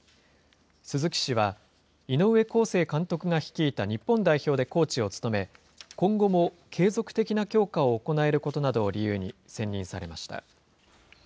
鈴木氏は、井上康生監督が率いた日本代表でコーチを務め、今後も継続的な強化を行えることなどを理由に選任されました。